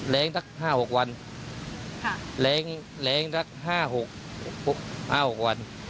แหลงละ๕๖วันแหลงละ๕๖วัน